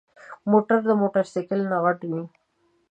موټر د موټرسايکل نه غټ وي.